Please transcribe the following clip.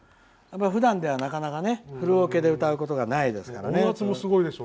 ふだんではなかなかフルオケで歌うことはないですからね。